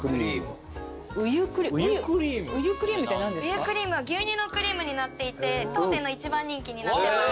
ウユクリームは牛乳のクリームになっていて当店の一番人気になってます。